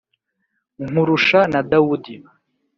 nkurusha na daudi,